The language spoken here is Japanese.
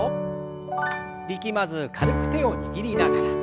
力まず軽く手を握りながら。